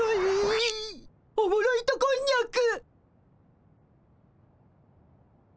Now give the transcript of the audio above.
おもろ糸こんにゃく。